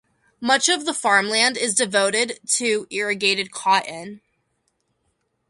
Much of the farmland is devoted to irrigated cotton.